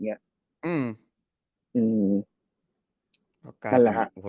นั่นแหละ